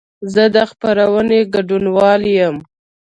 زه د خپرونې ګډونوال یم.